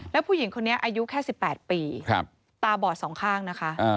แล้วผู้หญิงคนนี้อายุแค่๑๘ปีตาบอดสองข้างนะคะ